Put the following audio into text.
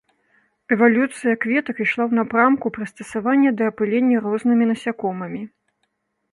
Эвалюцыя кветак ішла ў напрамку прыстасавання да апылення рознымі насякомымі.